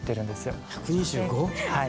はい。